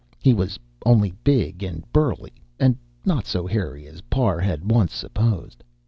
he was only big and burly, and not so hairy as Parr had once supposed.